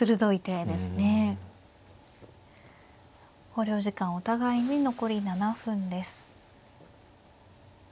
考慮時間お互いに残り７分です。